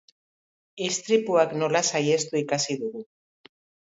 Istripuak nola saihestu ikasi dugu.